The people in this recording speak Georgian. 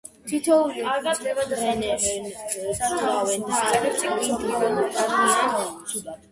თითოეული ეფუძნება და სათაურში იყენებს წიგნის ორიგინალური თავების სათაურებს.